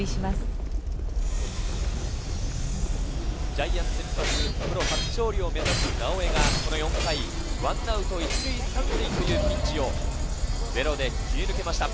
ジャイアンツ先発、プロ初勝利を目指す直江が、４回、１アウト１塁３塁のピンチをゼロで切り抜けました。